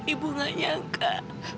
ibu gak nyangka